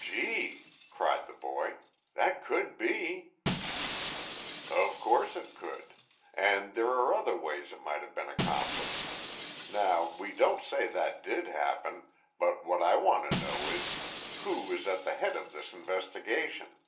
"Gee!" cried the boy. "That could be!" "Of course it could. And there are other ways it might have been accomplished. Now, we don't say that did happen, but what I want to know is, who is at the head of this investigation?"